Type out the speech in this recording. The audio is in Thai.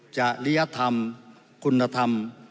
จริยธรรมคุณธรรม